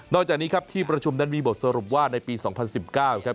จากนี้ครับที่ประชุมนั้นมีบทสรุปว่าในปี๒๐๑๙ครับ